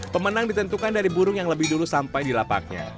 pemenang ditentukan dari burung yang lebih dulu sampai di lapaknya